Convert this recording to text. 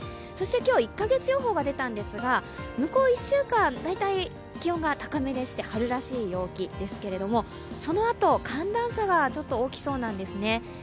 そして今日、１カ月予報が出たんですが、向こう１週間、大体高めで春らしい陽気ですけれども、そのあと、寒暖差がちょっと大きそうなんですね。